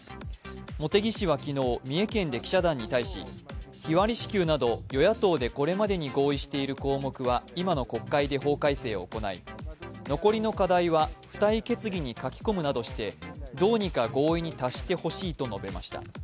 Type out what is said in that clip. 茂木氏は昨日、三重県で記者団に対し、日割り支給など与野党でこれまでに合意している項目は今の国会で法改正を行い、残りの課題は付帯決議に書き込むなどして、どうにか合意に達してほしいと述べました。